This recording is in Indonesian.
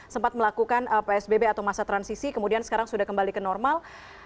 sempat melakukan psbb atau masa transisi kemudian sekarang sudah kembali ke normal